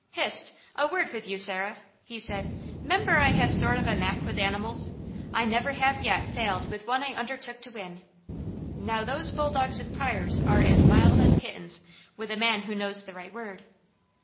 "Hist! A word with you, Sarah!" he said. "'Member I have a sort of knack with animals. I never yet have failed with one I undertook to win. Now those bulldogs of Pryors' are as mild as kittens with a man who knows the right word.